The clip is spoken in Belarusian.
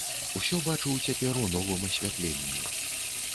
Усё бачыў цяпер у новым асвятленні.